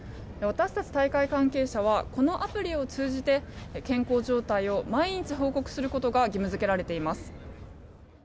私たち大会関係者はこのアプリを通じて健康状態を毎日報告することが義務付けられています。